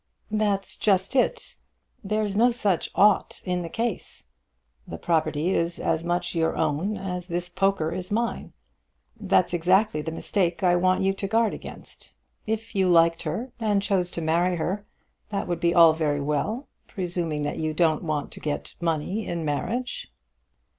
"That's just it. There's no such ought in the case. The property is as much your own as this poker is mine. That's exactly the mistake I want you to guard against. If you liked her, and chose to marry her, that would be all very well; presuming that you don't want to get money in marriage."